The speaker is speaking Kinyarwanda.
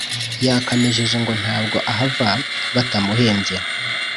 yakamejeje ngo ntabwo ahava batamuhembye